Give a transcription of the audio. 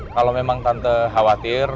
kalau memang tante khawatir